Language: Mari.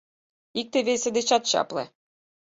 Икте весе дечат чапле.